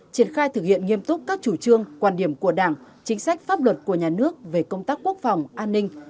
triển khai thực hiện nghiêm túc các chủ trương quan điểm của đảng chính sách pháp luật của nhà nước về công tác quốc phòng an ninh